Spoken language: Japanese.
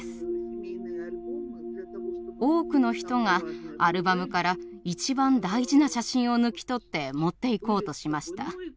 多くの人がアルバムから一番大事な写真を抜き取って持っていこうとしました。